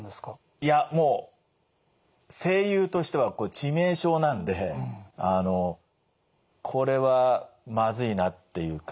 いやもう声優としては致命傷なんでこれはまずいなっていうか。